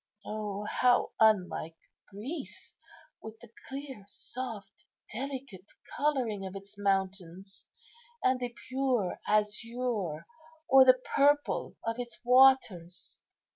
O, how unlike Greece, with the clear, soft, delicate colouring of its mountains, and the pure azure or the purple of its waters!"